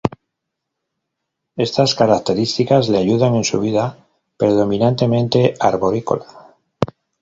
Estas características le ayudan en su vida predominantemente arborícola.